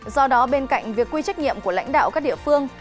do đó bên cạnh việc quy trách nhiệm của lãnh đạo các địa phương